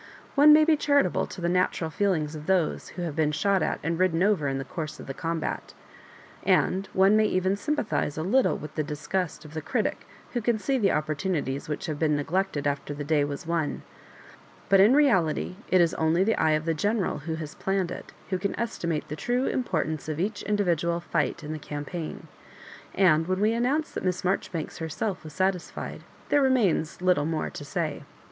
One may be charitable to the natural feelings of those who have been shot at and ridden over in the course of the combat ; and one may even sympathise a little with the disgust of the critic who can see the opportunities which have been neglected after the day was won ; but in reality, it is only the eye of the general who has planned it who can estimate the true importance of each indi vidual fight in the campaign. And when we announce that Miss Marjoribanks herself was satisfied, there remains little more to say.